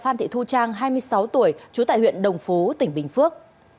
phan thị thu trang hai mươi sáu tuổi trú tại huyện đồng phú tỉnh bình phước